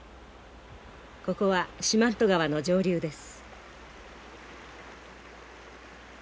ここは四万十川の上流です。